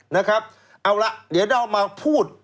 นะครับเอาละเดี๋ยวเรามาพูด